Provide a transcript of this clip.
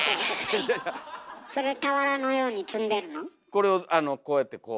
これをあのこうやってこう。